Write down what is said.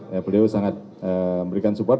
ya beliau sangat memberikan support